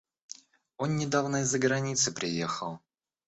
Он недавно из-за границы приехал.